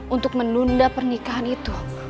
untuk menunda pernikahan itu